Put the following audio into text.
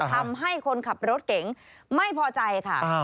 ทำให้คนขับรถเก๋งไม่พอใจค่ะ